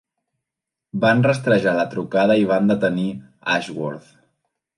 Van rastrejar la trucada i van detenir Ashworth.